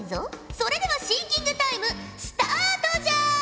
それではシンキングタイムスタートじゃ！